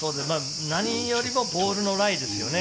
何よりもボールのライですよね。